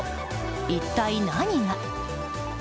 一体何が？